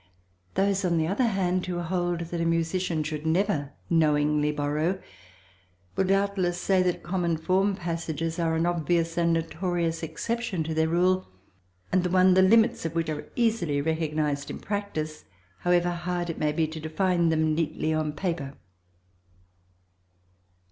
Those on the other hand who hold that a musician should never knowingly borrow will doubtless say that common form passages are an obvious and notorious exception to their rule, and the one the limits of which are easily recognised in practice however hard it may be to define them neatly on paper.